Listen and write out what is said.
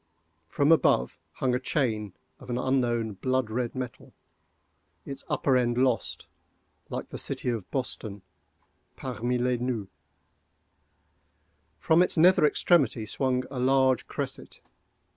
From above, hung a chain of an unknown blood red metal—its upper end lost, like the city of Boston, parmi les nues. From its nether extremity swung a large cresset.